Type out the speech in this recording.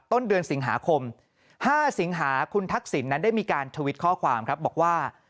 ต้นเดือนสิงหาคม๕สิงหาคุณทักษิณนั้นได้มีการทวิตข้อความครับบอกว่า